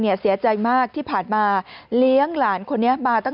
ก็เลยเหลือหลับไปนะฮะ